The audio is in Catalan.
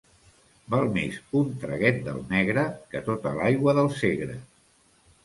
Val més un traguet del negre que tota l'aigua del Segre.